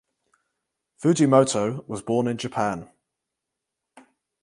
Fujimoto was born in Japan.